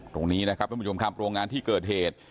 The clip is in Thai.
ตรงนี้นะครับท่านผู้ชมครับโรงงานที่เกิดเหตุ